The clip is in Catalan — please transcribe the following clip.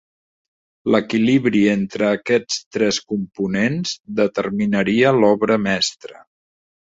L'equilibri entre aquests tres components determinaria l'obra mestra.